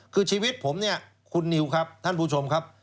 คือชีวิตผมเนี่ยคุณนิวครับท่านผู้ชมครับ